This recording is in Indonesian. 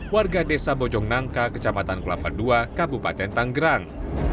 warga desa bojongnangka kecamatan kulapan ii kabupaten tanggerang